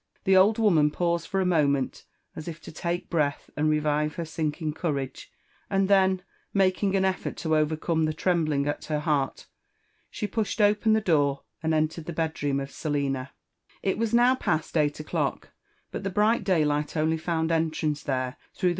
The old womaft paused fov a moment as if to take breath and revire her sinkiag eoorage, and then, making an effort to overcome the. tfemblingat her heart, she pushed open the door and entered the bed^ room ofSelina. It was now past eight o'clock, but the bright daylight only found entrance there through the.